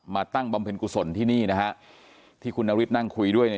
ตั้งบำเพ็ญกุศลที่นี่นะฮะที่คุณนฤทธินั่งคุยด้วยเนี่ย